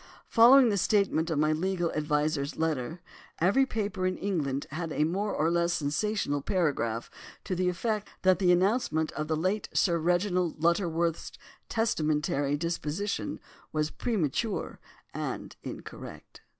Following the statement in my legal adviser's letter, every paper in England had a more or less sensational paragraph to the effect that the announcement of the late Sir Reginald Lutterworth's testamentary disposition was premature and incorrect.